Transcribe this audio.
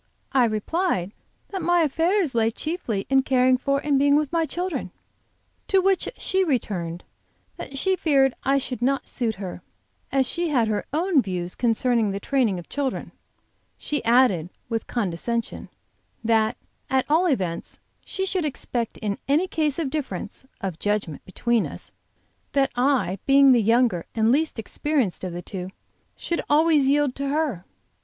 I replied that my affairs lay chiefly in caring for and being with my children; to which she returned that she feared I should not suit her, as she had her own views concerning the training of children. She added, with condescension, that at all events she should expect in any case of difference (of judgment) between us, that I, being the younger and least experienced of the two, should always yield to her.